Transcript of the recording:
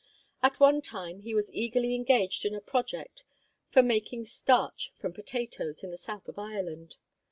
At one time he was eagerly engaged in a project for making starch from potatoes in the south of Ireland.